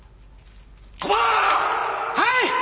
はい！